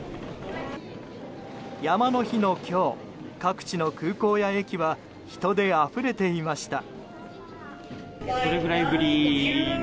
山の日の今日、各地の空港や駅は人であふれていました。